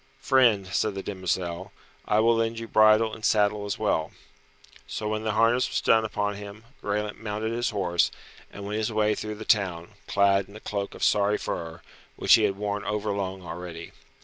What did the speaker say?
"Friend," said the demoiselle, "I will lend you bridle and saddle as well." So when the harness was done upon him, Graelent mounted his horse, and went his way through the town, clad in a cloak of sorry fur, which he had worn overlong already.